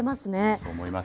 そう思います。